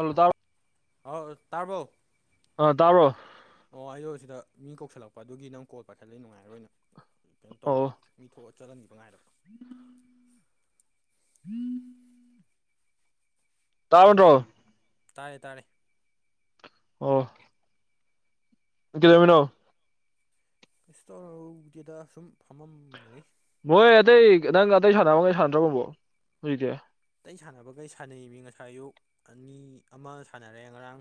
ꯑꯗꯥ ꯑ ꯇꯥꯔꯕꯧꯣ ꯇꯥꯕ꯭ꯔꯣ ꯑꯣ ꯑꯌꯣ ꯁꯤꯗ ꯃꯤ ꯀꯧꯁꯤꯜꯂꯛꯄ ꯑꯗꯨꯒꯤ ꯅꯪ ꯀꯣꯜ ꯄꯥꯏꯈꯠꯂꯛꯏ ꯅꯨꯡꯉꯥꯏꯔꯣꯏꯅ ꯀꯩꯅꯣ ꯇꯧꯔꯕ ꯃꯤ ꯊꯣꯛꯑ ꯆꯜꯍꯟꯕꯤꯕ ꯉꯥꯏꯔꯕ ꯎ ꯍꯝ ꯇꯥꯕꯟ꯭ꯔꯣ ꯇꯥꯔꯦ ꯇꯥꯔꯦ ꯑꯣ ꯀꯦꯗꯣꯃꯤꯅꯣ ꯏꯁꯇꯣꯔꯗꯤꯗ ꯁꯨꯝ ꯐꯝꯃꯝꯅꯤ ꯃꯣꯏ ꯑꯇꯩ ꯅꯪ ꯑꯇꯩ ꯁꯥꯟꯒ ꯁꯥꯟꯅꯗ꯭ꯔꯒꯨꯝꯕꯣ ꯍꯧꯖꯤꯛꯇꯤ ꯑꯇꯩ ꯁꯥꯟꯅꯕꯈꯩ ꯁꯥꯟꯅꯩ ꯃꯤ ꯉꯁꯥꯏ ꯑꯌꯨꯛ ꯑꯅꯤ ꯑꯃ ꯁꯥꯟꯅꯔꯑꯦ ꯉꯔꯥꯡ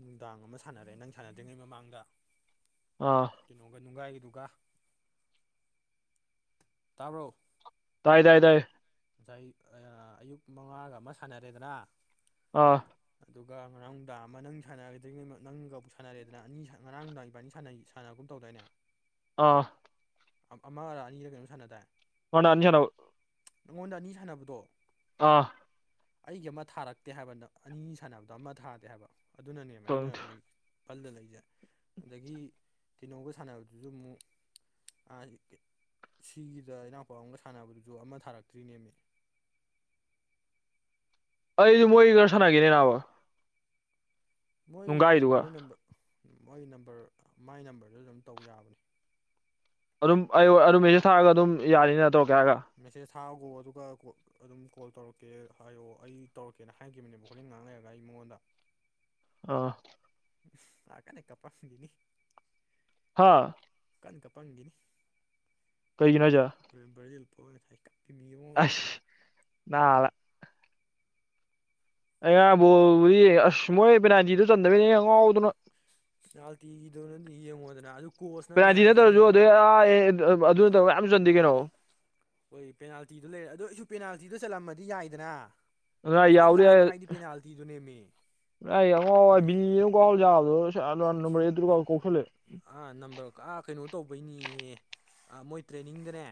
ꯅꯨꯡꯗꯥꯡ ꯑꯃ ꯁꯥꯟꯅꯔꯦ ꯅꯪ ꯁꯥꯟꯅꯗ꯭ꯔꯤꯉꯩ ꯃꯃꯥꯡꯗ ꯑꯥ ꯀꯩꯅꯣꯒ ꯅꯨꯡꯒꯥꯏꯒꯤꯗꯨꯒ ꯇꯔꯨꯛ ꯍꯥꯏꯗꯗꯦ ꯉꯁꯥꯏ ꯑꯌꯨꯛ ꯃꯉꯥꯒ ꯑꯃ ꯁꯥꯟꯅꯔꯦꯗꯅ ꯑꯥ ꯑꯗꯨꯒ ꯉꯔꯥꯡ ꯗꯥꯝ ꯑꯃ ꯅꯪ ꯁꯥꯟꯅꯒꯗꯔꯤꯉꯩ ꯅꯪꯒꯕꯨꯛ ꯁꯥꯟꯅꯔꯦꯗꯅ ꯑꯅꯤ ꯉꯔꯥꯡꯗꯗꯥꯏ ꯏꯕꯥꯅꯤꯥꯟ ꯁꯥꯟꯅꯕꯒꯨꯝ ꯇꯧꯔ ꯗꯏꯅꯦ ꯑꯥ ꯑꯃ ꯑꯅꯤꯔ ꯀꯩꯅꯣꯝ ꯁꯥꯟꯅ ꯇꯔꯦ ꯍꯅ ꯑꯟꯖꯅꯥ ꯅꯪꯉꯣꯟꯗ ꯑꯅꯤ ꯁꯥꯟꯅꯕꯗꯣ ꯑꯥ ꯑꯩꯒꯤ ꯑꯃ ꯊꯥꯔꯛꯇꯦ ꯍꯥꯏꯕ ꯑꯅꯤ ꯁꯥꯟꯅꯕꯗꯣ ꯑꯃ ꯊꯥꯗꯦ ꯍꯥꯏꯕ ꯑꯗꯨꯅꯅꯦꯕ ꯑꯩꯅ ꯍꯧꯖꯤꯛ ꯄꯜꯗ ꯂꯩꯖꯦ ꯑꯗꯒꯤ ꯇꯤꯅꯧꯒ ꯁꯥꯟꯅꯕꯗꯨꯁꯨ ꯑꯃꯨꯛ ꯁꯤꯒꯤꯗ ꯏꯅꯥꯎꯄꯥ ꯑꯃꯒ ꯁꯥꯟꯅꯕꯗꯨꯁꯨ ꯑꯃ ꯊꯥꯔꯛꯀꯦ ꯇ꯭ꯔꯤꯅꯦ ꯃ ꯑꯩꯗꯨ ꯃꯣꯍꯤꯒꯔ ꯆꯅꯥꯒꯅꯤꯅꯦ ꯅꯅꯥꯋꯥ ꯃꯣꯏ ꯃꯣꯏ ꯅꯝꯕꯔ ꯃꯣꯏ ꯅꯝꯕꯔ ꯃꯥꯏ ꯅꯝꯕꯔꯗꯨꯗ ꯑꯗꯨꯝ ꯇꯧ ꯌꯥꯕꯅꯤ ꯑꯗꯨꯝ ꯑꯩ ꯑꯗꯨꯔꯨꯝꯃꯦꯁꯨ ꯊꯛꯔꯒ ꯑꯗꯨꯝ ꯌꯥꯅꯤꯅ ꯇꯧꯀꯦ ꯍꯥꯏꯒ ꯃꯦꯁꯦꯖ ꯊꯥꯈꯣ ꯑꯗꯨꯒ ꯀꯣ ꯑꯗꯨꯝ ꯀꯣꯜ ꯇꯧꯔꯛꯀꯦ ꯍꯥꯏꯌꯣ ꯑꯩ ꯇꯧꯔꯛꯀꯦꯅ ꯍꯥꯏꯈꯤꯕꯅꯦꯕ ꯍꯣꯔꯦꯟ ꯉꯥꯡ ꯂꯩꯔꯒ ꯑꯩ ꯃꯨꯛ ꯃꯗ ꯑꯥ ꯂ ꯀꯅꯦ ꯀꯄꯥꯅꯤ ꯍꯥꯥ ꯀꯟ ꯀꯄꯪꯈꯤꯅꯤ ꯀꯩ ꯅꯖ ꯀꯞꯄꯤ ꯃꯤ ꯑꯃ ꯑꯁ ꯅꯂ ꯑꯩ ꯉꯥꯕꯣꯗꯤ ꯑꯁꯃꯣꯏ ꯄꯕꯤꯅꯥꯖꯤꯗꯨ ꯆꯟꯗꯕꯅꯦ ꯉꯪ ꯉꯥꯎꯗꯅ ꯌꯥꯎ ꯊꯤꯅ ꯌꯦꯡ ꯍꯗ꯭ꯔ ꯑꯗꯨ ꯀꯣꯆꯅꯅꯤ ꯄꯥꯖꯤ ꯍꯥꯏꯁꯤꯅꯤ ꯅꯠꯇꯧꯔꯁꯨ ꯑꯗꯨ ꯌꯦꯡꯉꯣꯗꯅ ꯑꯗꯨꯅ ꯇꯧ ꯌꯥꯝ ꯆꯟꯗꯤꯦ ꯀꯩꯅꯣ ꯍꯣꯏ ꯄꯦꯅꯥꯜꯇꯤꯗꯣ ꯂꯩꯔꯦ ꯑꯗꯨꯗꯣ ꯑꯩꯁꯨ ꯄꯦꯅꯥꯜꯇꯤꯗ ꯆꯠꯂꯝꯃꯗꯤ ꯌꯥꯏꯗꯅ ꯑꯗꯨꯅ ꯈ꯭ꯋꯥꯏ ꯂꯥꯏꯕ ꯍꯥꯏꯗꯤ ꯄꯦꯅꯥꯜꯇꯤꯗꯨ ꯅꯦꯝꯃꯤ ꯑꯃꯛꯋꯥꯕꯤ ꯀꯗ ꯅꯝꯕꯔꯔ ꯀ ꯀꯧꯁꯂꯦ ꯑꯥ ꯅꯝꯕꯔ ꯑꯥ ꯀꯩꯅꯣ ꯇꯧꯕꯩꯅꯤꯍꯦ ꯑ ꯃꯣꯏ ꯇ꯭ꯔꯦꯅꯤꯡꯗꯅꯦ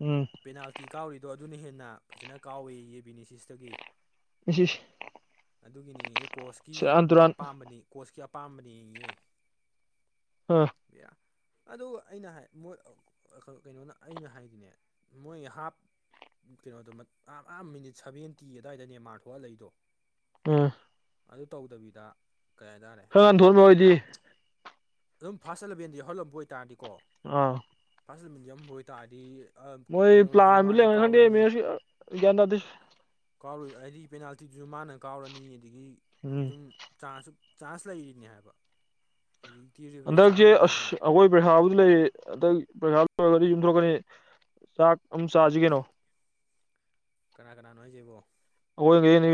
ꯎꯝ ꯄꯦꯅꯥꯜꯇꯤ ꯀꯥꯎꯔꯤꯗꯣ ꯑꯗꯨꯅ ꯍꯦꯟꯅ ꯐꯖꯅ ꯀꯥꯎꯏ ꯌꯦꯕꯤꯅꯤꯁꯤꯁꯇꯒꯤ ꯁꯤꯁ ꯑꯗꯨꯒꯤꯅꯤꯌꯦ ꯀꯣꯁꯀꯤ ꯑꯄꯥꯝꯕꯅꯤ ꯀꯣꯁꯀꯤ ꯑꯄꯥꯝꯕꯅꯤꯌꯦ ꯑ ꯌꯥ ꯑꯗꯨꯒ ꯑꯩꯅ ꯀꯩꯅꯣꯅ ꯑꯩꯅ ꯍꯥꯏꯗꯤꯅꯦ ꯃꯣꯏ ꯍꯥꯞ ꯀꯩꯅꯣꯗ ꯑꯥ ꯑ ꯃꯤꯅꯤꯠ ꯁꯚꯦꯟꯇꯤ ꯑꯗꯨꯋꯥꯏꯗꯅꯦ ꯃꯥꯥꯔꯊꯍꯂꯏꯗꯣ ꯑꯥ ꯑꯗꯨ ꯇꯧꯗꯕꯤꯗ ꯀꯩ ꯍꯥꯏꯇꯥꯔꯦ ꯈꯪꯉꯥꯟ ꯊꯣꯛꯃꯦ ꯍꯣꯏꯗꯤ ꯑꯗꯨꯝ ꯐꯥꯔꯁ ꯑꯦꯂꯕꯦꯟꯗꯤ ꯌ ꯍꯧꯎꯜꯂꯝꯕ ꯑꯣꯏꯇꯥꯔꯗꯤꯀꯣ ꯑꯥ ꯐꯁꯤꯜꯃꯗꯤ ꯌꯥꯝꯎꯝꯕ ꯑꯣꯏꯇꯥꯥꯔꯗꯤ ꯃꯣꯏ ꯄ꯭ꯂꯥꯅꯤ ꯈꯗꯤꯃꯤ ꯟ ꯇ ꯑꯗꯨ ꯀꯥꯎꯔꯣꯏ ꯍꯥꯏꯗꯤ ꯄꯦꯅꯥꯜꯇꯤꯗꯨꯁꯨ ꯃꯥꯅ ꯀꯥꯎꯔꯅꯤ ꯑꯗꯒꯤ ꯎꯝ ꯑꯗꯨꯝ ꯆꯥꯟꯁꯨ ꯆꯥꯟꯁ ꯂꯩꯔꯤꯅꯤ ꯍꯥꯏꯕ ꯍꯧꯖꯤꯛ ꯍꯟꯗꯛꯁꯦ ꯑꯁ ꯑꯩꯈꯣꯏ ꯕꯔꯦꯍꯥꯕꯨꯗꯤ ꯂꯩꯔ ꯍꯟꯗꯛ ꯄꯩꯁꯥ ꯂꯣꯏꯔꯒꯗꯤ ꯌꯨꯝꯊꯣꯔꯛꯀꯅꯤ ꯆꯥꯛ ꯑꯃ ꯆꯥꯁꯤ ꯀꯩꯅꯣ ꯀꯅꯥ ꯀꯅꯥꯅꯣ ꯍꯥꯏꯁꯤꯦꯕꯣ ꯍꯅꯤ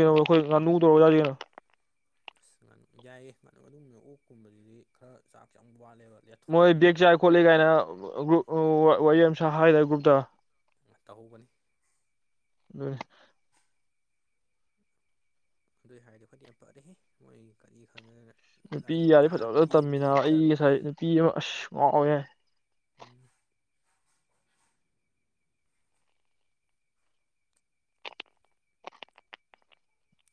ꯁꯅꯨ ꯇꯧꯖꯔꯤꯅ ꯑꯁ ꯌꯥꯏꯑ ꯑꯗꯨꯒ ꯃ ꯑꯣꯛꯀꯨꯝꯕꯁꯤꯗꯤ ꯈꯔ ꯆꯥꯛ ꯆꯪꯕ ꯃꯣꯏ ꯕꯦꯛ ꯆꯥꯏ ꯈꯣꯠꯂꯤ ꯀꯥꯏꯅ ꯒ꯭ꯔꯨꯞ ꯋꯥꯔꯤ ꯁꯥ ꯍꯥꯏꯗꯦ ꯒ꯭ꯔꯨꯞꯇ ꯇꯧꯍꯧꯕꯅꯤ ꯑ ꯑꯗꯨꯏ ꯍꯥꯏꯔꯗꯤ ꯑꯩꯣꯏꯗꯤ ꯌꯥꯝ ꯐꯠꯔꯦ ꯃꯣꯏ ꯀꯠꯂꯤ ꯈꯪꯗꯅ ꯅꯨꯄꯤ ꯂꯥꯏꯔꯤꯛ ꯌꯥꯔꯦ ꯐꯖ ꯑꯥ ꯐꯖ ꯇꯦꯟ ꯇꯝꯃꯤꯅ ꯇꯨꯌꯦꯜꯞꯇ ꯑꯩ ꯉꯁꯥꯏ ꯅꯨꯄꯤ ꯑꯃ ꯑꯁ ꯉꯥꯎ ꯌꯥ ꯎꯝ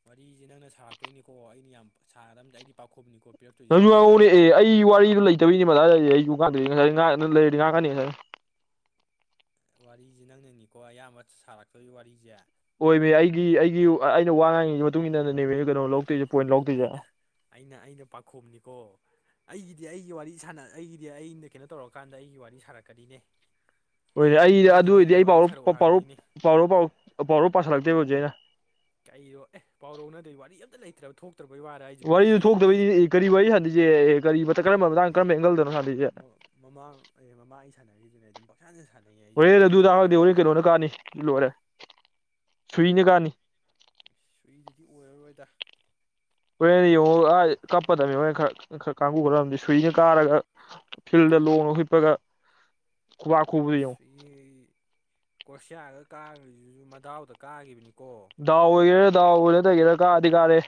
ꯋꯥꯔꯤꯁꯦ ꯅꯪꯅ ꯁꯥꯔꯛꯇꯣꯏꯅꯤꯀꯣ ꯑꯩꯅ ꯌꯥꯝ ꯁꯥꯗ ꯑꯩꯗꯤ ꯄꯥꯈꯨꯝꯅꯤꯀꯣ ꯅꯪꯁꯨꯉꯅꯦ ꯑꯦ ꯑꯩ ꯋꯥꯔꯤꯗ ꯂꯩꯇꯅꯦ ꯌꯒꯗ ꯂꯩꯔꯤ ꯀꯅꯤ ꯉꯁꯦ ꯋꯥꯔꯤꯁꯦ ꯅꯪꯅꯅꯤꯀꯣ ꯑꯌꯥꯝꯕ ꯁꯥꯔꯛꯇꯣꯏꯒꯤ ꯋꯥꯔꯤꯁꯦ ꯑꯣꯏꯃꯦ ꯑꯩꯒꯤ ꯑꯩꯒꯤ ꯑꯩꯅ ꯋꯥ ꯉꯥꯡꯉꯤꯒꯤ ꯃꯇꯨꯡ ꯏꯟꯅꯅꯦꯃꯤ ꯀꯩꯅꯣ ꯂꯧꯗꯣꯏꯁ ꯑꯩꯅ ꯑꯩꯅ ꯑꯩꯅ ꯄꯥꯈꯣꯝꯅꯤꯀꯣ ꯑꯩꯒꯤꯗꯤ ꯑꯩꯒꯤ ꯋꯥꯔꯤ ꯁꯥꯟꯅ ꯑꯩꯒꯤꯗꯤ ꯑꯩꯅ ꯀꯩꯅꯣ ꯇꯧꯔꯀꯥꯟꯗ ꯑꯩꯒꯤ ꯋꯥꯔꯤ ꯁꯥꯟꯔꯛꯀꯗꯤꯅꯦ ꯍ ꯑꯩ ꯑꯗꯨ ꯑꯣꯏꯔꯗꯤ ꯑꯩ ꯍꯥꯏꯕꯅꯤꯅꯦ ꯄꯥꯎꯥꯎꯥꯎꯔꯥꯎ ꯄꯥꯎꯔꯞ ꯄꯥꯁꯤꯜꯂꯛꯇꯦꯕ ꯍꯧꯖꯤꯛ ꯑꯩꯅ ꯀꯗꯣ ꯑꯦ ꯄꯥꯎꯔꯧꯅꯗꯣꯏ ꯋꯥꯔꯤ ꯑꯝꯇ ꯂꯩꯇ꯭ꯔꯕ ꯊꯣꯛ ꯋꯥꯔꯤꯗꯨ ꯊꯣꯛꯇꯕꯩ ꯀꯔꯤ ꯋꯥꯔꯤ ꯁꯥꯥꯟꯅꯁꯦ ꯀꯔꯤ ꯀꯔꯝꯕ ꯃꯇꯥꯡ ꯀꯔꯝꯕ ꯑꯦꯡꯒꯜꯗꯅꯣ ꯍꯥꯟꯅꯁꯦ ꯃꯃꯥ ꯑꯩ ꯃꯃꯥ ꯑꯩ ꯁꯥꯟꯅꯔꯤꯗꯨꯅꯦ ꯑꯩ ꯑꯗꯨꯝ ꯄ ꯍꯣꯔꯦꯟ ꯑꯗꯨ ꯇꯥꯗꯦ ꯍꯣꯔꯦꯟ ꯀꯩꯅꯣꯅ ꯀꯥꯅꯤ ꯂꯣꯏꯔꯦ ꯁꯨꯏꯅ ꯀꯥꯅꯤ ꯁꯨꯏꯗꯨꯗꯤ ꯑꯣꯏꯔꯔꯣꯏꯗ ꯍꯣꯔꯦꯟ ꯌꯦꯡꯉꯣ ꯀꯞꯄꯗꯕꯅꯤ ꯍꯣꯔꯦꯟ ꯈꯔ ꯈꯔ ꯀꯥꯡꯕꯨ ꯈꯔ ꯁꯨꯏꯅ ꯀꯥꯔꯒ ꯐꯤꯜ ꯂꯣꯡꯅ ꯍꯤꯞꯄꯒ ꯁꯤ ꯀꯣꯁꯤꯌꯥꯒ ꯀꯥꯈ꯭ꯔꯤꯁꯤꯁꯨ ꯃꯗꯥꯎꯗ ꯀꯥꯈꯤꯕꯅꯤꯀ ꯗꯥꯎ ꯑꯣꯏꯒꯦꯔꯥ ꯗꯥꯎ ꯑꯣꯏꯅꯗꯒꯦꯔꯥ ꯀꯥꯗꯤ ꯀꯥꯗꯔꯦ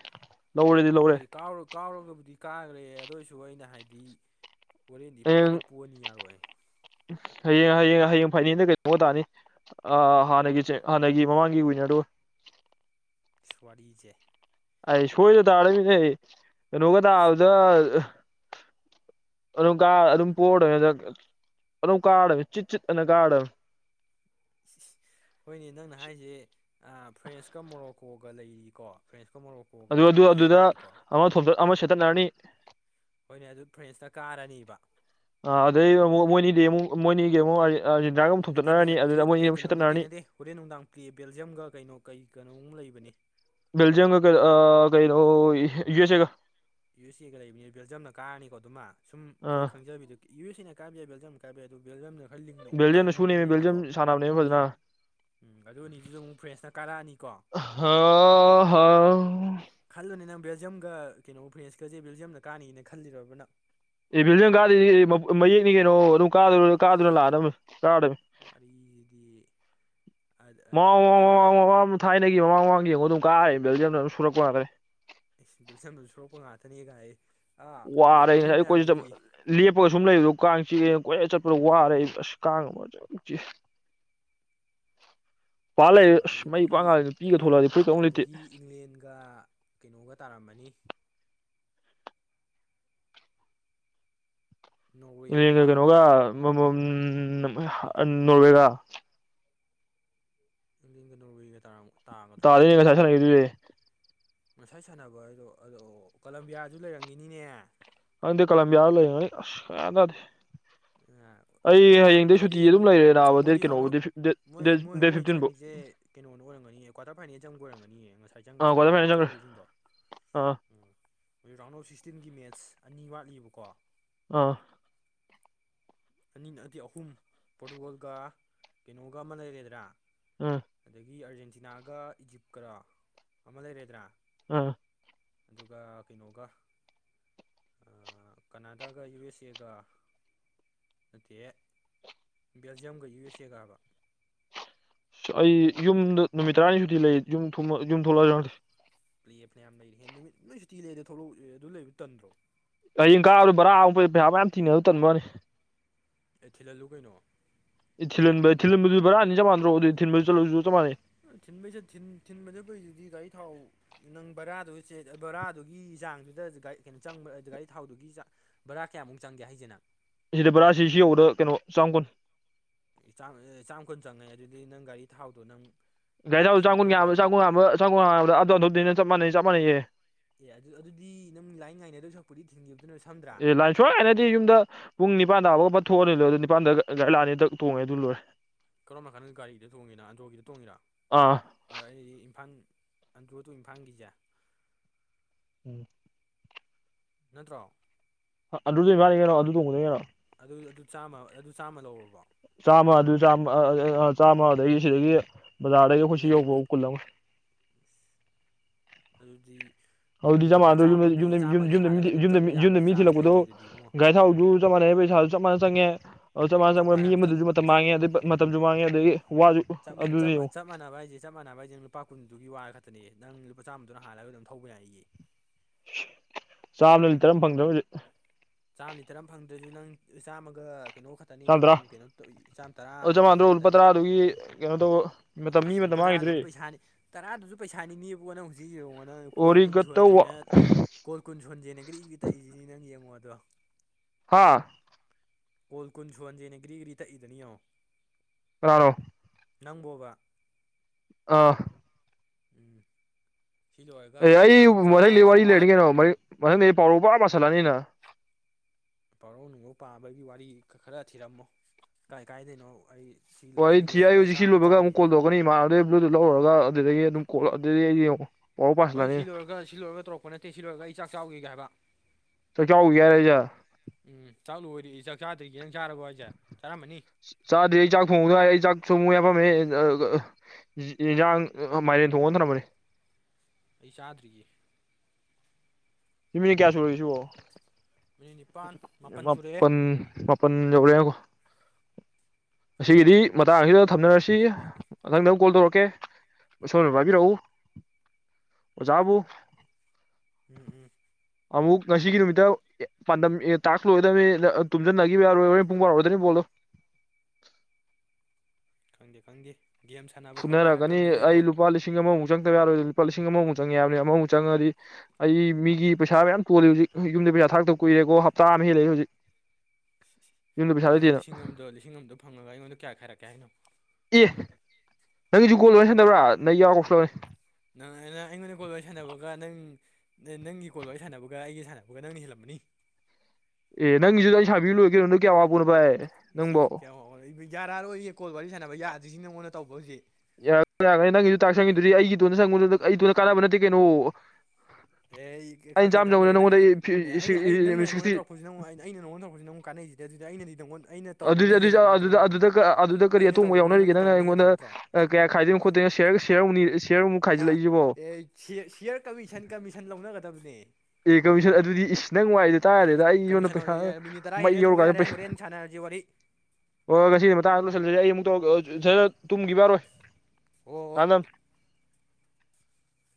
ꯍꯣꯏ ꯀꯥꯎꯔ ꯀꯥꯎꯔꯒꯕꯨꯗꯤ ꯀꯥꯈ꯭ꯔꯦ ꯑꯗꯨ ꯑꯣꯏꯁꯨ ꯑꯩꯅ ꯍꯥꯏꯗꯤ ꯍꯣꯔꯦꯟꯗꯤ ꯄꯣꯗ ꯍꯌꯦꯡ ꯄꯣꯅꯤ ꯌꯥꯔꯣꯏ ꯍꯌꯦꯡ ꯍꯌꯦꯡ ꯍꯌꯦꯡ ꯐꯥꯏꯅꯜꯗ ꯀꯩꯗꯧꯒ ꯇꯥꯅꯤ ꯍꯥꯟꯅꯒꯤ ꯍꯥꯟꯅꯒꯤ ꯃꯃꯥꯡꯒꯤ ꯋꯤꯟꯅꯔꯗꯨ [inaudible] ꯋꯥꯔꯤꯁꯦ ꯑꯩ ꯁꯣꯏꯗꯅ ꯊꯥꯔꯗꯃꯤꯅꯦ ꯀꯩꯅꯣꯒ ꯁꯤ ꯇꯥꯕꯗ ꯑꯗꯨꯝ ꯀ ꯑꯗꯨꯝ ꯄꯣꯔꯔꯣꯏꯅꯦ ꯑꯅꯨ ꯀꯥ ꯆꯤ ꯆ ꯑꯅ ꯀꯥ ꯍꯣꯏꯅꯦ ꯅꯪꯅ ꯍꯥꯏꯔꯤꯁꯦ ꯐ꯭ꯔꯦꯟꯁꯀ ꯃꯣꯔꯣꯛꯀꯣꯒ ꯂꯩꯔꯤꯀꯣ ꯐ꯭ꯔꯦꯟꯁ ꯑꯗꯨ ꯑꯗꯨ ꯑꯗꯨꯗ ꯑꯃ ꯑꯃ ꯁꯦꯠꯇꯠꯅꯔꯅꯤ ꯍꯣꯏꯅꯦ ꯑꯗꯨ ꯐ꯭ꯔꯦꯟꯁꯇ ꯀꯥꯔꯅꯤꯕ ꯑ ꯑꯗ ꯃꯣꯅꯤꯒ ꯃꯣꯅꯤꯒꯃ ꯅꯠꯇꯦꯅꯦ ꯍꯧꯖꯤꯛ ꯀꯩꯅꯣ ꯅꯠꯇꯦ ꯁꯦꯠꯇꯠꯅꯔꯅꯤ ꯅꯠꯇꯦ ꯍꯣꯔꯦꯟ ꯅꯨꯡꯗꯥꯡ ꯄ꯭ꯔꯤꯦ ꯕꯦꯜꯖꯤꯌꯝꯒ ꯀꯩꯅꯣ ꯀꯩ ꯀꯩꯅꯣꯝ ꯂꯩꯕꯅꯤ ꯦꯦꯜꯖꯤꯌꯝ ꯀ ꯀ ꯀꯩꯅꯩꯅꯣ ꯌꯨ ꯑꯦꯁ ꯑꯦ ꯀ ꯌꯨ ꯑꯦꯁ ꯑꯦꯒ ꯂꯩꯕꯅꯤ ꯕꯦꯜꯖꯤꯝꯅ ꯀꯥꯔꯅꯤꯀꯣ ꯑꯗꯨꯃ ꯑ ꯁꯨꯝꯈꯣꯏꯪꯖꯕꯅꯤꯗꯨ ꯌꯨ ꯑꯦꯅ ꯀꯥꯝ ꯌꯥꯕ ꯕꯦꯜꯝ ꯀꯥꯏ ꯑꯗꯨꯕꯨꯕꯦꯜꯖ ꯌꯥꯝ ꯅ ꯕꯦꯜꯖꯤꯌꯝ ꯅꯁꯨꯨꯅꯤ ꯕꯦꯜꯖꯤꯌꯝ ꯁꯅꯥꯅꯦ ꯐꯖꯅ ꯎꯝ ꯑꯗꯨ ꯑꯅꯤꯗꯨꯗ ꯑꯃꯨꯛ ꯐ꯭ꯔꯦꯁꯅ ꯀꯥꯔꯛꯑꯅꯤꯀꯣ ꯍꯥꯎ ꯍꯥꯎ ꯈꯜꯂꯨꯅꯤ ꯅꯪ ꯕꯦꯜꯖꯤꯌꯝꯒ ꯀꯩꯅꯣ ꯐ꯭ꯔꯦꯟꯁꯀꯁꯦ ꯕꯦꯜꯖꯤꯌꯝꯗ ꯀꯥꯅꯅ ꯈꯜꯂꯤꯔꯕꯅ ꯑꯦ ꯕꯤꯜꯗꯤꯟ ꯀꯥꯗꯗꯤ ꯃꯌꯦꯛꯅꯤ ꯀꯩꯅꯣ ꯑꯗꯨꯝ ꯀꯥ ꯀꯥꯔ ꯂꯥꯛꯑ ꯀꯔ ꯋꯥꯔꯤꯗꯤ ꯑꯥ ꯃ ꯊꯥꯏꯅ ꯃꯃꯥꯡ ꯃꯃꯥꯡ ꯌꯦꯡꯉꯣ ꯑꯗꯨꯝ ꯀꯥꯔꯦ ꯕꯦꯜꯗꯤꯝꯗ ꯑꯗꯨꯝ ꯁꯨꯔꯛꯄ ꯉꯗ꯭ꯔꯦ ꯑꯩꯜꯁꯟꯗꯨꯜ ꯁꯣꯔꯛꯄ ꯉꯥꯛꯇꯅꯤꯒꯥꯏ ꯑꯩ ꯋꯥꯔꯦꯅꯦ ꯑꯩꯈꯣꯏꯁꯨ ꯁ ꯂꯦꯞꯄꯒ ꯁꯨꯝ ꯂꯩꯕꯗꯣ ꯀꯥꯡꯁꯤ ꯀꯣꯏꯔ ꯆꯠꯄ꯭ꯔ ꯋꯥꯔꯦ ꯑꯩ ꯑꯁ ꯀꯥꯡ ꯄꯥ ꯂꯩꯔꯦ ꯑꯣ ꯑꯁ ꯃꯩ ꯑꯗꯒꯤ ꯄꯥꯛ ꯉꯥꯜꯂꯦ ꯅꯨꯄꯤꯒ ꯊꯣꯛꯂꯛꯑꯗꯤ ꯐꯨꯔꯤꯠꯀ ꯑꯃꯨꯛ ꯂꯤꯠꯇꯦ ꯑꯗꯒꯤ ꯏꯪꯂꯦꯟꯒ ꯀꯩꯅꯣꯒ ꯇꯥꯔꯝꯃꯅꯤ [inaudible] ꯅꯣꯔꯋꯦꯒ ꯀꯩꯅꯣꯒ ꯇꯥꯔꯕ ꯅꯠꯇꯦ ꯅꯣꯋꯦꯒ ꯌꯊꯤꯟꯒ ꯅꯣꯔꯒꯤꯒ ꯇꯔꯥꯃꯨꯛ ꯇꯗꯅꯗꯣꯏꯦ ꯉꯁꯥꯏ ꯁꯥꯟꯅꯕ ꯍꯥꯏꯗꯣ ꯑꯗꯣ ꯀꯂꯝꯕꯤꯌꯥꯁꯨ ꯂꯩꯔꯝꯒꯤꯅꯤꯅꯦ ꯍꯗꯤ ꯀꯂꯝꯕꯤ ꯌꯥꯔ ꯂꯩꯅꯤ ꯑꯁ ꯀꯌꯥ ꯇꯗꯦ ꯑꯩ ꯔꯥꯎꯟ ꯍꯌꯦꯡꯗꯒꯤꯩ ꯁꯨꯇꯤ ꯃꯣꯏꯗꯤ ꯑꯗꯨꯝ ꯂꯩꯔꯦꯅꯥꯕ ꯗꯦ ꯃꯣꯏꯗꯤ ꯔꯥꯎꯟ ꯀꯩꯅꯣꯕꯨ ꯑꯣꯐ ꯗꯦꯠ ꯐꯤꯐꯇꯤꯟꯕꯨ ꯑꯣꯏꯔꯝꯒꯅꯤ ꯀ꯭ꯋꯥꯔꯇꯔ ꯐꯥꯏꯅꯦꯜ ꯆꯪꯕ ꯑꯣꯏꯔꯝꯒꯅꯤꯌꯦ ꯉꯁꯥꯏ ꯑꯥ ꯀ꯭ꯋꯥꯇꯔ ꯐꯥꯏꯅꯦꯜ ꯆꯪꯈ꯭ꯔꯦ ꯆꯪꯈ꯭ꯔꯤꯁꯤꯡꯗꯣ ꯑꯥ ꯍꯧꯖꯤꯛ ꯔꯥꯎꯟ ꯑꯣꯐ ꯁꯤꯛꯁꯇꯤꯟꯒꯤ ꯃꯦꯠꯁ ꯑꯅꯤ ꯋꯥꯠꯂꯤꯕꯀꯣ ꯑꯥ ꯑꯅꯤ ꯑꯗꯨꯗꯤ ꯑꯍꯨꯝ ꯄꯣꯔꯇꯨꯒꯣꯜꯒ ꯀꯩꯅꯣꯒ ꯑꯃ ꯂꯩꯔꯔꯣꯏꯗ꯭ꯔꯥ ꯎꯝ ꯑꯗꯒꯤ ꯑꯔꯖꯦꯟꯇꯤꯅꯥꯒ ꯏꯖꯤꯞꯀ ꯑꯃ ꯂꯩꯔꯗ꯭ꯔꯥ ꯑꯥ ꯑꯗꯨꯒ ꯀꯩꯅꯣꯒ ꯀꯅꯥꯗꯥꯒ ꯌꯨ ꯑꯦꯁ ꯑꯦꯒ ꯑ ꯕꯦꯜꯖꯤꯌꯝꯒ ꯌꯨ ꯑꯦꯁ ꯑꯦꯒꯕ ꯑꯁ ꯑꯩ ꯌꯨꯝꯗ ꯅꯨꯃꯤꯠ ꯇꯔꯥꯅꯤ ꯁꯨꯗꯤꯤ ꯂꯩ ꯌꯨꯝ ꯌꯨꯝ ꯊꯣꯛꯂꯛꯑꯗꯤꯦ ꯄ꯭ꯂꯦ ꯃꯅꯌꯥꯝ ꯂꯩꯔꯤ ꯍꯦ ꯅꯨꯃꯤꯠ ꯅꯣꯏ ꯁꯨꯇꯤ ꯂꯩꯗ ꯊꯣꯛꯂꯛꯑꯦ ꯑꯗꯨ ꯂꯩꯕ ꯇꯟꯗ꯭ꯔꯣ ꯍꯤꯡ ꯀꯥꯅꯤ ꯕꯔꯥ ꯑꯃꯨꯛꯩ ꯄꯩꯁꯥ ꯃꯌꯥꯝ ꯊꯤꯅ ꯑꯗꯨ ꯇꯟꯕꯅꯤ ꯑꯩ ꯊꯤꯜꯍꯜꯂꯨ ꯀꯩꯅꯣ ꯊꯤꯜꯟ ꯊꯤꯗꯨꯕꯔꯥꯅꯤ ꯆꯃꯅꯣ ꯊ ꯆ ꯆꯃꯥꯟꯅꯦ ꯊꯤꯟꯕꯩꯁꯦ ꯊꯤꯟꯕꯁꯦ ꯀꯨꯏꯗꯗꯤ ꯒꯥꯔꯤ ꯊꯥꯎ ꯅꯪ ꯕꯔꯥꯗꯨ ꯕꯥꯔꯥꯗꯨꯒꯤ ꯆ ꯆꯥꯡꯗꯨꯗꯒꯥꯔꯤ ꯀꯩꯅꯣ ꯆꯪꯕ ꯒꯥꯔꯤ ꯊꯥꯎꯗꯨꯒꯤ ꯕꯔꯥ ꯀꯌꯥꯃꯨꯛ ꯆꯪꯒꯦ ꯍꯥꯏꯁꯤꯦꯅ ꯁꯤꯗ ꯕꯔꯥꯁꯤ ꯁꯤ ꯌꯧꯕꯗ ꯀꯩꯅꯣ ꯆꯥꯝꯃ ꯀꯨꯟ ꯆꯥꯝ ꯀꯨꯟ ꯆꯪꯉꯦ ꯑꯗꯨꯗꯤ ꯅꯪ ꯒꯥꯔꯤ ꯊꯥꯎꯗꯣ ꯅꯪ ꯩꯁ ꯁꯤꯗꯒꯤ ꯆꯒꯣꯕ ꯒꯥꯔꯤ ꯆꯒꯣ ꯁꯒꯕ ꯑꯗꯨꯅ ꯆꯞꯥꯟꯅꯩ ꯆꯞ ꯃꯥꯟꯅꯩꯌꯦ ꯑꯦ ꯑꯗꯨ ꯑꯗꯨꯗꯤ ꯅꯪ ꯂꯥꯏ ꯉꯥꯏꯅꯗꯧ ꯁꯛꯄꯨꯗꯤ ꯊꯤꯡꯈꯤꯕꯗꯨꯅꯁꯨ ꯑꯦ ꯂꯥꯟꯁꯣꯏꯅꯗꯤ ꯌꯨꯝꯗ ꯄꯨꯡ ꯅꯤꯥꯟꯥꯕꯥꯎꯒ ꯑꯃ ꯊꯣꯛꯑꯅꯤ ꯂꯣꯏ ꯑꯗꯨ ꯅꯤꯄꯥꯥꯟꯗ ꯒꯥꯔꯤ ꯂꯑꯅꯤ ꯇꯣꯡꯉꯦ ꯑꯗꯨ ꯂꯣꯏꯦ ꯀꯔꯝꯕ ꯃꯈꯥꯟꯗ ꯒꯥꯔꯤꯗ ꯇꯣꯡꯉꯤꯔ ꯑꯟꯗ꯭ꯔꯣꯒꯤꯗ ꯇꯣꯡꯉꯤꯔꯥ ꯑꯥ ꯑꯩꯗꯤ ꯏꯝꯐꯥꯜ ꯑꯖ ꯑꯗꯨ ꯏꯝꯐꯥꯜꯒꯤꯖ ꯎꯝ ꯅꯠꯇ꯭ꯔꯣ ꯑꯗꯨꯗ ꯌꯥꯅꯤ ꯌꯦꯩꯅꯣ ꯑꯗꯨ ꯇꯣꯡꯕꯅꯤ ꯀꯩꯅꯣ ꯑꯗꯨ ꯑꯗꯨ ꯆꯥꯝꯃ ꯑꯗꯨ ꯆꯥꯝꯃ ꯂꯧꯔꯕꯣ ꯆꯥꯝꯃ ꯑꯗꯨ ꯆꯥꯃ ꯆꯥꯝꯃ ꯑꯗꯨꯗꯒꯤ ꯁꯤꯗꯒꯤ ꯕꯖꯥꯔꯒꯤ ꯈꯨꯨꯁꯤ ꯅꯣꯏ ꯍꯧꯕ ꯑꯗꯨꯕꯨ ꯀꯨꯂꯃ ꯑꯗꯨꯗꯤ ꯍꯧꯗꯤ ꯆꯥꯟꯟꯗ ꯅꯪꯒꯤꯗꯨꯗꯤ ꯆꯥꯝꯃꯒꯤ ꯆꯥꯝꯃꯒꯤ ꯍꯥꯜꯂꯒ ꯑꯗꯨꯝ ꯆꯪꯕ ꯌꯥꯕꯒꯤ ꯃꯤ ꯆꯥꯟꯁ ꯂꯩꯌꯦ ꯑꯗꯨꯗꯤ ꯏꯕꯨꯡꯉꯣ ꯊꯤꯜꯛꯄꯗꯣꯒ ꯊ ꯐꯥꯟꯅꯩ ꯄꯩꯁꯥꯁꯨ ꯆꯞ ꯃꯥꯟꯅ ꯆꯪꯉꯦ ꯑꯗꯨ ꯆꯞ ꯃꯥꯟꯅ ꯆꯪꯕ ꯃꯤ ꯃꯥꯟꯅꯕ ꯆꯞ ꯑꯃꯗꯁꯨ ꯃꯇꯝ ꯃꯥꯡꯉꯦ ꯑꯗꯒꯤ ꯃꯇꯝꯁꯨ ꯃꯥꯡꯉꯦ ꯑꯗꯒꯤ ꯋꯥꯁꯨ ꯑꯗꯨꯗꯤ ꯌꯦꯡꯉꯨ ꯆ ꯃꯥꯟꯅꯕ ꯍꯥꯏꯁꯦ ꯆꯞ ꯃꯥꯟꯅꯕ ꯍꯥꯏꯁꯦ ꯂꯨꯄꯥ ꯀꯨꯟꯗꯨꯒꯤ ꯋꯥꯔ ꯈꯛꯇꯅꯦꯌꯦ ꯅꯪ ꯂꯨꯄꯥ ꯆꯥꯝꯃꯗꯨꯅ ꯍꯥꯜꯂꯒ ꯑꯗꯨꯝ ꯊꯧꯕ ꯌꯥꯏ ꯑꯩꯒꯤ ꯆꯥꯝꯃꯗ ꯂꯤ ꯇꯔꯥ ꯑꯃ ꯐꯪꯗ꯭ꯔꯕ ꯍꯧꯖꯤ ꯆꯥꯝꯃꯗꯤ ꯇꯔꯥꯝ ꯐꯪꯗ꯭ꯔꯁꯨ ꯅꯪ ꯆꯥꯝꯃꯒ ꯀꯩꯅꯣ ꯈꯛꯇꯅꯤ ꯑꯗꯨ ꯁꯥꯟꯗ꯭ꯔꯥ ꯐꯪ ꯀꯩꯅꯣ ꯆꯥꯝꯃ ꯇꯔꯥ ꯑꯣ ꯆꯃꯥꯟꯗ꯭ꯔꯣ ꯎꯜ ꯄꯇ꯭ꯔꯥ ꯑꯗꯨꯒꯤ ꯀꯩꯅꯣ ꯇꯧꯕ ꯃꯇꯝ ꯃꯤ ꯑꯦ ꯃꯇꯝ ꯂꯨꯄꯥ ꯃꯥꯡꯈꯤꯗ꯭ꯔꯦ ꯇꯔꯥꯗꯨꯁꯨ ꯄꯩꯁꯥꯅꯤ ꯇꯔꯥꯗꯨꯁꯨ ꯄꯩꯁꯥꯅꯤ ꯅꯅꯤꯕꯣꯣꯟꯅ ꯍꯧꯖꯤꯛ ꯌꯦꯡꯉꯅ ꯀꯣꯜ ꯀꯨꯟ ꯑꯣꯔꯤꯒꯇꯧ ꯁꯨꯍꯟꯁꯦꯅ ꯀꯣꯜ ꯀꯨꯟ ꯁꯣꯟꯖꯦꯅ ꯀꯔꯤꯒꯤ ꯇꯛꯏꯁꯤꯅꯤ ꯅꯪ ꯌꯦꯡꯉꯣ ꯑꯗꯣ ꯍꯥꯥ ꯀꯣꯜ ꯀꯨꯟꯁꯨꯨꯍꯟꯖꯦꯅꯦ ꯒ꯭ꯔꯤꯒ꯭ꯔꯤ ꯇꯛꯏꯗꯅꯤ ꯌꯦꯉꯣ ꯔꯅꯣ ꯅꯪꯕꯣꯕ ꯑꯥ ꯎꯝ ꯁꯤ ꯂꯣꯏꯔꯒ ꯑꯩ ꯌꯥꯏ ꯆꯥꯛ ꯑꯃ ꯃ ꯦꯋꯥ ꯆꯥꯎꯈꯤꯒꯦ ꯂꯩꯅꯤꯡꯒꯦ ꯅ ꯃꯊꯪꯗꯤ ꯄꯥꯎꯔꯧ ꯄꯨꯔꯥ ꯃꯥꯁꯜꯂꯅꯤꯅ ꯄꯥꯎꯔꯧ ꯅꯨꯡꯉꯧ ꯄꯥꯕꯒꯤ ꯋꯥꯔꯤ ꯈꯔ ꯊꯤꯔꯝꯃꯣ ꯀꯥꯏ ꯀꯥꯏꯗꯅꯣ ꯑꯩ ꯁꯤ ꯍꯣꯏ ꯂꯣꯏ ꯑꯩ ꯁꯤ ꯊꯤ ꯌꯥꯏ ꯂꯣꯏꯔꯒ ꯍꯧꯖꯤꯛ ꯆꯥꯛ ꯁꯤ ꯑꯃ ꯂꯣꯏꯕꯒꯨꯛ ꯆꯥꯎꯈꯤꯒꯦ ꯀꯜ ꯇꯧꯔꯛꯀꯅꯤꯃꯥꯟ ꯑꯗꯨꯗꯩ ꯕ꯭ꯂꯨꯗꯨꯨꯠ ꯂꯧꯔꯒ ꯔ ꯑꯗꯨ ꯀꯣꯔ ꯍꯣꯏ ꯁꯤ ꯂꯣꯏꯔꯒ ꯁꯤ ꯂꯣꯏꯔꯒ ꯇꯧꯔꯛꯄ ꯅꯠꯇꯦ ꯁꯤ ꯂꯣꯏꯔꯒ ꯑꯩ ꯆꯥꯛ ꯆꯥꯎꯒꯒꯦ ꯍꯥꯏꯕ ꯒꯔꯦꯖꯥ ꯎꯝ ꯆꯥꯛ ꯂꯣꯏꯔꯤ ꯑꯩ ꯆꯥꯛ ꯆꯥꯗ꯭ꯔꯤꯒꯦꯅ ꯆꯥꯔꯕꯣ ꯍꯥꯏꯁꯦ ꯆꯥꯔꯝꯃꯅꯤ ꯆꯔ ꯑꯗꯨ ꯆꯥꯛ ꯐꯣꯡ ꯑꯩ ꯆꯥꯛ ꯁꯨꯝ ꯃꯨ ꯌꯥꯐꯝꯃꯦ ꯏꯟꯁꯥꯡ ꯃꯥꯏꯔꯦꯟ ꯊꯣꯡꯅ ꯊꯔꯝꯕꯅꯤ ꯑꯩ ꯆꯥꯗ꯭ꯔꯤꯒꯦ ꯍꯃꯤ ꯀꯌꯥꯁꯨꯋꯁꯨꯨ ꯃꯤꯅꯤꯠ ꯅꯤꯄꯥꯟ ꯃꯥꯄꯟ ꯁꯨꯔꯛꯑꯦ ꯄꯟꯄꯟ ꯑꯁꯤꯒꯤꯗꯤ ꯃꯇꯥꯡ ꯑꯁꯤꯗ ꯊꯝꯅꯔꯁꯤ ꯃꯊꯪꯗꯪꯨꯛ ꯀꯣꯜ ꯇꯧꯔꯛꯀꯦ ꯑꯣꯁꯕꯥꯕꯤ ꯔꯎ ꯑꯣꯖꯥꯕꯎ ꯎꯝ ꯎꯝ ꯑꯃꯨꯛ ꯉꯁꯤꯒꯤꯂꯣꯃꯤꯇ ꯄꯥꯟꯗꯝ ꯇꯥꯛꯂꯣꯏꯗꯕꯅꯤ ꯇꯨꯝꯁꯤꯟꯅꯈꯤꯕ ꯌꯥꯔꯣꯏ ꯍ ꯄꯨꯡ ꯄꯥꯔꯣꯏꯗꯕꯅꯤ ꯄꯣꯜꯂꯣ [inaudible] ꯈꯪꯗꯦ ꯈꯪꯗꯦ ꯒꯦꯝ ꯁꯥꯟꯅꯕ ꯈꯣꯠꯄ ꯍꯥꯏꯕ ꯐꯨꯅꯔꯛꯒꯅꯤ ꯑꯃꯁꯨ ꯑꯩ ꯂꯩꯀꯣ ꯂꯨꯄꯥ ꯂꯤꯁꯤꯡ ꯑꯃꯃꯨꯛ ꯆꯪꯗꯕ ꯌꯥꯔꯣꯏꯗ ꯂꯨꯄꯥ ꯂꯤꯁꯤꯡ ꯑꯃꯃꯨꯛ ꯆꯪꯉꯦ ꯌꯥꯕꯅꯤ ꯑꯃꯃꯨꯛ ꯆꯪꯉꯗꯤ ꯑꯩ ꯃꯤꯒꯤ ꯄꯩꯁꯥ ꯃꯌꯥꯝ ꯇꯣꯜꯂꯤ ꯍꯧꯖꯤꯛ ꯌꯨꯝꯗ ꯄꯩꯁꯥ ꯊꯥꯛꯇ ꯀꯨꯏꯔꯦꯀꯣ ꯍꯞꯇꯥ ꯍ ꯂꯩ ꯍꯧꯖꯤ ꯅꯪ ꯂꯤꯁꯤꯡ ꯑꯃꯗꯣ ꯂꯤꯁꯤꯡ ꯑꯃꯗꯣ ꯐꯪꯉꯒ ꯑꯩꯉꯣꯟꯗ ꯀꯌꯥ ꯈꯥꯏꯔꯛꯀꯦ ꯍꯥꯏꯅꯣ ꯑꯦ ꯅꯪꯒꯤꯁꯨ ꯒꯣꯜ ꯂꯅ ꯁꯟꯕ꯭ꯔꯥ ꯅꯪ ꯌꯥꯎꯔꯒꯁꯨꯂꯅꯤ ꯅꯪꯪ ꯑꯩꯉꯣꯟꯗ ꯀꯣꯜ ꯋꯥꯔꯤ ꯁꯥꯟꯅꯕꯒ ꯅꯪ ꯅꯪꯒꯤ ꯀꯣꯜ ꯋꯥꯔꯤ ꯁꯥꯟꯅꯕꯒ ꯑꯩꯒꯤ ꯁꯥꯟꯅꯕꯒ ꯅꯪꯅ ꯍꯤꯜꯂꯝꯃꯅꯤ ꯑꯦ ꯅꯪꯁꯨꯗ ꯁꯕꯤ ꯂꯣꯏ ꯅ ꯀꯌꯥꯄꯨꯅꯚꯥꯏ ꯁꯤꯁꯤ ꯀꯌꯥ ꯋꯥꯥꯎꯦ ꯌꯥꯔꯔꯣꯏꯌꯦꯦ ꯀꯣꯜ ꯋꯥꯔꯤ ꯁꯥꯟꯅꯕ ꯌꯥꯗ꯭ꯔꯤꯁꯤꯅ ꯅꯉꯗ ꯇꯧꯕ ꯍꯧꯁꯤꯦ ꯌꯥꯔ ꯌꯥꯒꯅꯤ ꯅꯪꯒꯤꯁꯨ ꯇꯥꯛ ꯁꯪꯉꯤꯗꯨꯗꯤ ꯑꯩꯒꯤꯗꯨꯣꯅ ꯁꯪꯕ ꯑꯩꯗꯨꯣꯅ ꯀꯥꯟꯅꯕ ꯅꯠꯇꯦ ꯀꯩꯅꯣ ꯑꯦ ꯑꯩꯅ ꯈꯪꯗꯦ ꯆꯥꯝꯃ ꯆꯪꯕꯗ ꯈꯪꯗꯦ ꯅꯪꯉꯣꯟꯗ ꯅꯪꯁꯨ ꯑꯦ ꯑꯩꯅ ꯑꯩ ꯅꯪꯅ ꯁꯤꯛꯁꯇꯤ ꯑꯩꯉꯣꯟꯗꯧꯛꯄꯁꯤ ꯅꯪ ꯑꯩꯅ ꯑꯩꯅ ꯅꯉꯣꯟꯗ ꯇꯧꯛꯄꯁꯤ ꯅꯪ ꯀꯥꯟꯅꯩ ꯑꯩꯁꯤꯗꯤ ꯑꯗꯨꯗꯤ ꯑꯩꯅꯗꯤꯡꯪꯉꯣꯟ ꯑꯗꯨ ꯑꯗꯨꯗ ꯀꯔꯤ ꯑꯩꯅ ꯑꯇꯣꯡꯕ ꯇꯧꯕꯕꯨꯗꯤ ꯌꯥꯎꯅꯔꯤꯒꯦ ꯅꯪꯅ ꯇꯧꯕꯅ ꯑꯩꯉꯣꯟꯗ ꯍꯦꯜꯂꯕ ꯅꯠꯇ꯭ꯔꯣ ꯀꯌꯥ ꯈꯥꯏꯗꯣꯏꯅ ꯈꯣꯠꯇꯣꯏꯅꯣ ꯁ ꯁ ꯎꯅꯤ ꯍꯥ ꯑꯦ ꯁꯤꯌꯥꯔ ꯀꯃꯤꯁꯟ ꯀꯃꯤꯁꯟ ꯂꯧꯅꯒꯗꯕꯅꯦ ꯑꯦ ꯀꯧꯁꯟ ꯑꯗꯨꯗꯤ ꯏꯁ ꯅ ꯅꯨꯡꯉꯥꯏꯗꯦ ꯌꯥꯔꯦ ꯇꯥꯔꯔꯦꯗ ꯑꯩ ꯏꯁꯣꯟꯗ ꯀꯃꯤꯁꯟ ꯄꯩꯁꯥ ꯃꯩ ꯌꯧꯔꯀꯥꯟꯗ ꯄꯩꯁꯥ ꯖꯤ ꯋꯥꯔꯤꯔꯤ ꯑꯣ ꯉꯁꯤ ꯃꯂꯨ ꯇꯨꯝꯒꯤ ꯌꯥꯔꯣꯏ ꯍꯣꯏ ꯍꯣꯏ ꯑꯥꯟꯅ